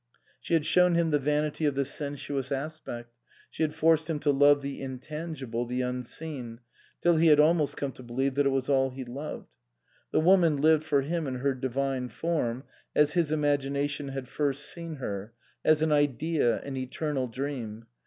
She had shown him the vanity of the sensuous aspect, she had forced him to love the intangible, the unseen, till he had almost come to believe that it was all he loved. The woman lived for him in her divine form, as his imagina tion had first seen her, as an Idea, an eternal dream.